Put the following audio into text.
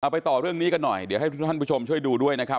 ไปต่อเรื่องนี้กันหน่อยเดี๋ยวให้ท่านผู้ชมช่วยดูด้วยนะครับ